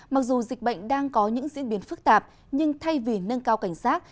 mặc dù dịch bệnh đang có những diễn biến phức tạp nhưng thay vì nâng cao cảnh sát